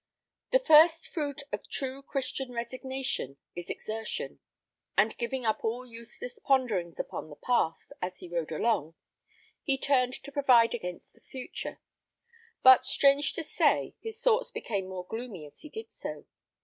The first fruit of true Christian resignation is exertion; and giving up all useless ponderings upon the past, as he rode along, he turned to provide against the future; but strange to say, his thoughts became more gloomy as he did so.